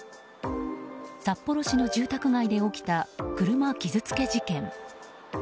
札幌市の住宅街で起きた車傷つけ事件。